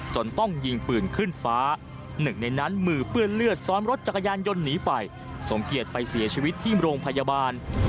จนต้องยิงปืนขึ้นฟ้าหนึ่งในนั้นมือเปื้อนเลือดซ้อนรถจักรยานยนต์หนีไปสมเกียจไปเสียชีวิตที่โรงพยาบาล